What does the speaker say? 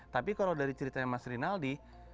tapi kalau dari ceritanya mas rinaldi